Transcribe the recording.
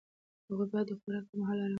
هغوی باید د خوراک پر مهال ارام وي.